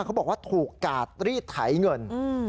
เขาบอกว่าถูกกาดรีดไถเงิน